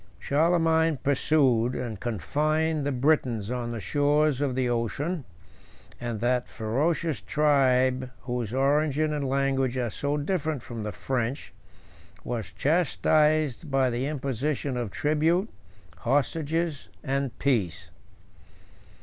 Charlemagne pursued, and confined, the Britons on the shores of the ocean; and that ferocious tribe, whose origin and language are so different from the French, was chastised by the imposition of tribute, hostages, and peace.